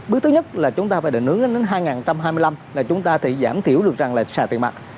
bước thứ nhất là chúng ta phải định hướng đến hai nghìn hai mươi năm là chúng ta thì giảm thiểu được rằng là xài tiền mạng